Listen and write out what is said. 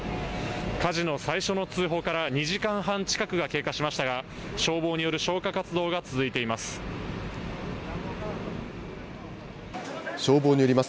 火事の最初の通報から２時間半近くが経過しましたが、消防による消火活動が続いています。